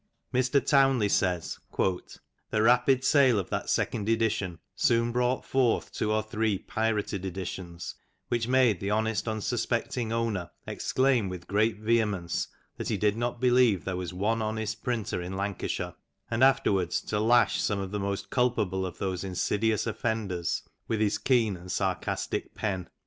Mr. Tovvnley says :^' The rapid sale of that second ''edition soon brought forth two or three pirated editions, which '' made the honest unsuspecting owner exclaim with great vehemence, '' that he did not believe there was one honest printer in Lanca '' shire, and afterwards to lash some of the most culpable of those '' insidious offenders with his keen and sarcastic pen.